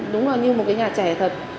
đúng là như một cái nhà trẻ thật